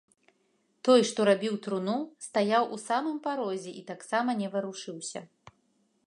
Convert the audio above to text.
Той, што рабіў труну, стаяў у самым парозе і таксама не варушыўся.